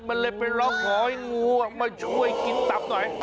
มันเลยไปร้องขอให้งูมาช่วยกินตับหน่อย